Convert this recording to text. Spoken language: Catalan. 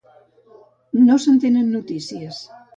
No se'n tenen notícies.